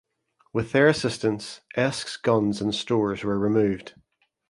With their assistance "Esk"s guns and stores were removed.